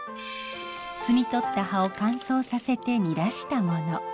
摘み取った葉を乾燥させて煮出したもの。